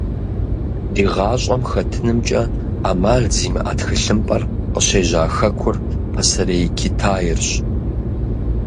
Ди гъащӏэм хэтынымкӏэ ӏэмал зимыӏэ тхылъымпӏэр къыщежьа хэкур – Пасэрей Китаирщ.